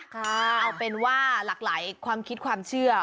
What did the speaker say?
เอาเป็นว่าหลากหลายความคิดความเชื่อ